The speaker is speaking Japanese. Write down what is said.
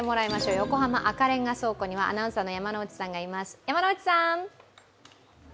横浜赤レンガ倉庫にはアナウンサーの山内さんがいます。